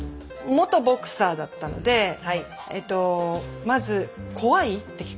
元ボクサーだったのでまず怖い？って聞かれますね。